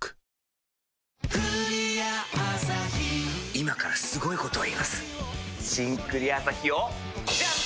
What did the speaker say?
今からすごいこと言います「新・クリアアサヒ」をジャン！